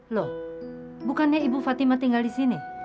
loh bukannya ibu fatima tinggal di sini